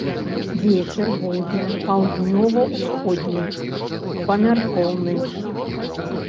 Вецер будзе паўднёва-усходні, памяркоўны.